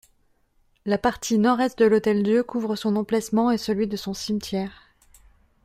La partie Nord-Est de l'Hôtel-Dieu couvre son emplacement et celui de son cimetière.